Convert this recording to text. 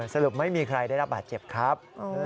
สรุปไม่มีใครได้รับบาดเจ็บครับ